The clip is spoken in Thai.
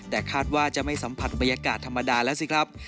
แต่คาดว่าจะไม่สัมผัสบรรยากาศธรรมดาแล้วสิครับ